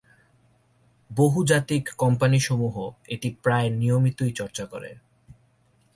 বহুজাতিক কোম্পানিসমূহ এটি প্রায় নিয়মিতই চর্চা করে।